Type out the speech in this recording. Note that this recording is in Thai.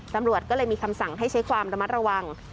ตำรวจก็เลยมีคำสั่งให้ใช้ความระมัดระวัง